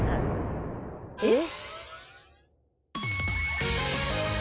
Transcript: えっ？